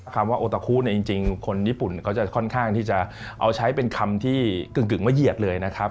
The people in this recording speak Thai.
คำว่าโอตาคุเนี่ยจริงคนญี่ปุ่นก็จะค่อนข้างที่จะเอาใช้เป็นคำที่กึ่งมาเหยียดเลยนะครับ